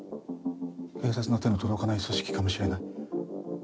警察の手の届かない組織かもしれない。